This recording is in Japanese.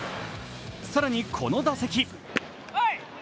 更に、この打席。